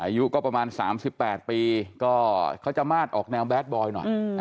อายุก็ประมาณ๓๘ปีก็เขาจะมาดออกแนวแบดบอยหน่อย